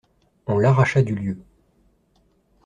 On l'arracha du lieu.